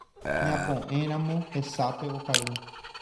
Ñapo'ẽramo hesápe okaru